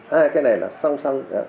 hai cái này là song song